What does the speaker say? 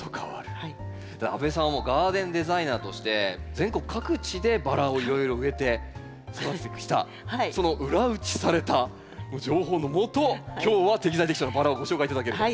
阿部さんはガーデンデザイナーとして全国各地でバラをいろいろ植えて育ててきたその裏打ちされた情報のもと今日は適材適所のバラをご紹介頂けると。